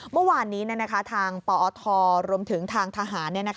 เมื่อวานนี้ทางปอทรวมถึงทางทหาร